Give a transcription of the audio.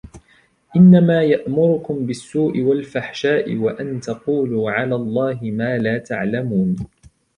إنما يأمركم بالسوء والفحشاء وأن تقولوا على الله ما لا تعلمون